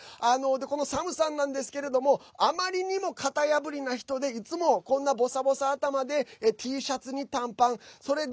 このサムさんなんですけどあまりにも型破りな人でいつも、ボサボサ頭でＴシャツに短パン。